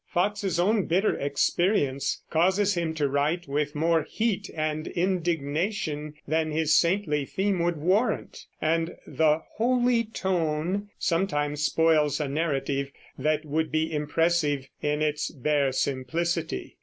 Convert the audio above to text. Foxe's own bitter experience causes him to write with more heat and indignation than his saintly theme would warrant, and the "holy tone" sometimes spoils a narrative that would be impressive in its bare simplicity.